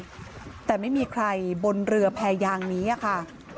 เสียหายแต่ไม่มีใครบนเรือแพยางนี้อ่ะค่ะ